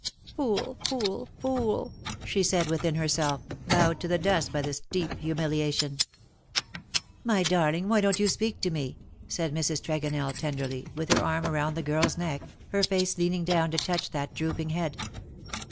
'^ Fool, fool, fool,^^ she said within herself, bowed to the dust by this deep humiliation. ^^ My darling, why don^t you speak to me ?" said LE SECRET DE POLICHINELLE. 259 Mrs. Tregonell, tenderly, with her arm round the girl's neck, her face leaning down to touch that drooping head.